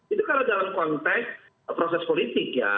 itu kalau dalam konteks proses politik ya